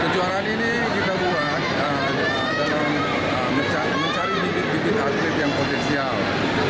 kejuaraan ini kita buat dalam mencari bibit bibit atlet yang potensial